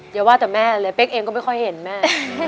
อย่าว่าแต่แม่เลยเป๊กเองก็ไม่ค่อยเห็นแม่